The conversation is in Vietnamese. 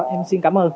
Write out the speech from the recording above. em xin cảm ơn